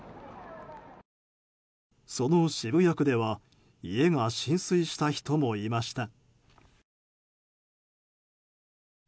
その渋谷区では家が浸水した人もいました。